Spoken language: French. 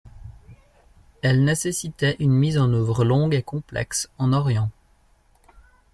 Elle nécessitait une mise en œuvre longue et complexe en Orient.